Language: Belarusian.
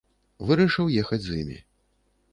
Вырашыў ехаць з імі.